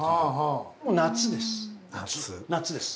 もう夏です。